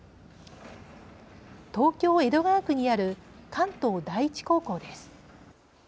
東京・江戸川区にある関東第一高校です。